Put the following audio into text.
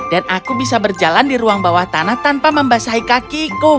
dan aku bisa berjalan di ruang bawah tanah tanpa membasahi kakiku